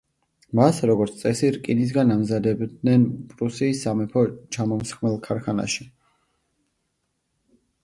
მას, როგორც წესი, რკინისაგან ამზადებდნენ პრუსიის სამეფო ჩამომსხმელ ქარხანაში.